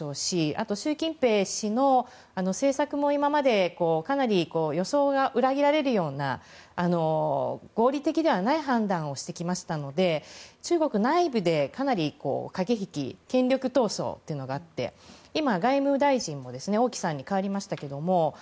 あと習近平氏の政策も今までかなり予想が裏切られるような合理的ではない判断をしてきましたので中国内部でかなり駆け引き権力闘争というのがあって今、外務大臣も王毅さんに代わりましたけど。